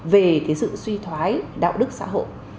về sự suy thoái đạo đức xã hội